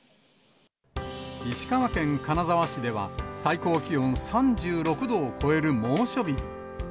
石川県金沢市では、最高気温３６度を超える猛暑日に。